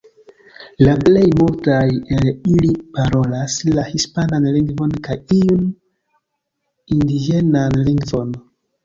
La plej multaj el ili parolas la hispanan lingvon kaj iun indiĝenan lingvon.